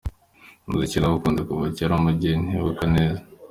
Umuziki nawukunze kuva kera mu gihe ntibuka neza.